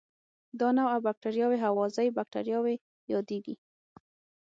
دا نوعه بکټریاوې هوازی باکتریاوې یادیږي.